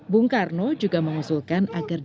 bung karno juga mengusulkan agar